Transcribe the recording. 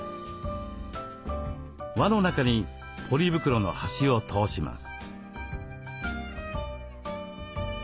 輪の中にポリ袋の端を通します。